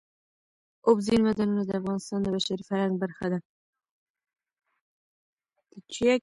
اوبزین معدنونه د افغانستان د بشري فرهنګ برخه ده.